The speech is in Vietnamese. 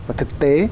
và thực tế